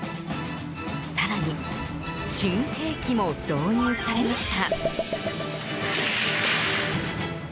更に、新兵器も導入されました。